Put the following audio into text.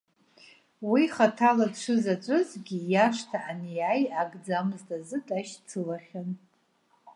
Уи, хаҭала дшызаҵәызгьы, иашҭа анеи-ааи агӡамызт азы дашьцылахьан.